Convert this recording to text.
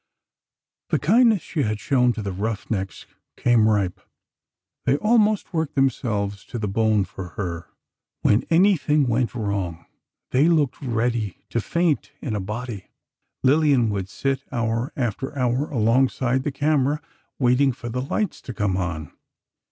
The kindness she had shown to the rough necks came ripe. They almost worked themselves to the bone for her. When anything went wrong, they looked ready to faint in a body. Lillian would sit hour after hour, alongside the camera, waiting for the lights to come on.